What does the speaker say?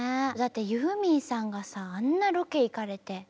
だってユーミンさんがさあんなロケ行かれて。